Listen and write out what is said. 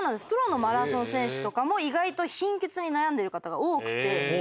プロのマラソン選手とかも意外と貧血に悩んでる方が多くて。